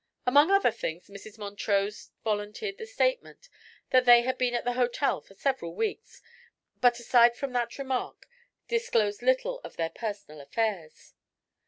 Among other things Mrs. Montrose volunteered the statement that they had been at the hotel for several weeks, but aside from that remark disclosed little of their personal affairs.